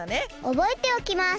おぼえておきます。